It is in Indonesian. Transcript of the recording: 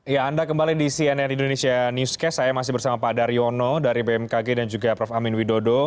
ya anda kembali di cnn indonesia newscast saya masih bersama pak daryono dari bmkg dan juga prof amin widodo